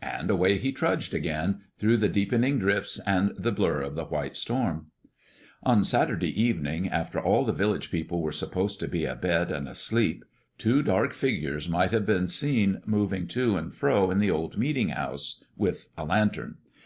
And away he trudged again, through the deepening drifts and the blur of the white storm. On Saturday evening, after all the village people were supposed to be abed and asleep, two dark figures might have been seen moving to and fro in the old meeting house, with a lantern.